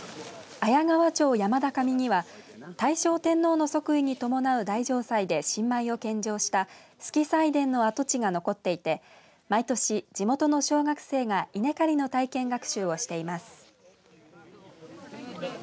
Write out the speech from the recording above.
綾川町山田上には大正天皇の即位に伴う大嘗祭で新米を献上した主基斎田の跡地が残っていて毎年地元の小学生が稲刈りの体験学習をしています。